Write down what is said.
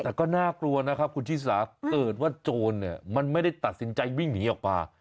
แต่ก็น่ากลัวนะครับคุณชิสาเกิดว่าโจรเนี่ยมันไม่ได้ตัดสินใจวิ่งหนีออกมา